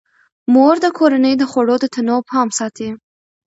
مور د کورنۍ د خوړو د تنوع پام ساتي.